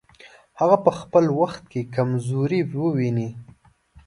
هغه په خپل وخت کې کمزوري وویني.